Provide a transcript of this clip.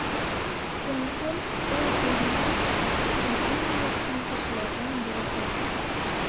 Кем, кем, ул Ғилман өсөн иң яҡын кешеләрҙең береһе